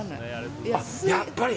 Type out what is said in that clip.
やっぱり。